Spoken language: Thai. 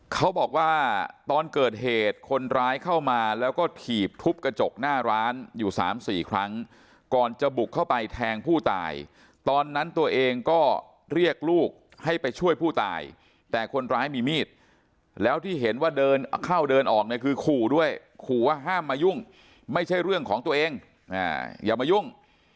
เขาบอกว่าตอนเกิดเหตุคนร้ายเข้ามาแล้วก็ถีบทุบกระจกหน้าร้านอยู่๓๔ครั้งก่อนจะบุกเข้าไปแทงผู้ตายตอนนั้นตัวเองก็เรียกลูกให้ไปช่วยผู้ตายแต่คนร้ายมีมีดแล้วที่เห็นว่าเดินเข้าเดินออกเนี่ยคือขู่ด้วยขู่ว่าห้ามมายุ่งไม่ใช่เรื่องของตัวเองอย่ามายุ่ง